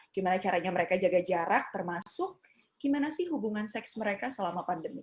gimana caranya mereka jaga jarak termasuk gimana sih hubungan seks mereka selama pandemi